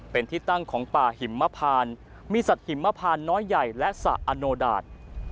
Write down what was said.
เป็นที่ตั้งของป่าหิมพานมีสัตว์หิมพานน้อยใหญ่และสระอโนดาต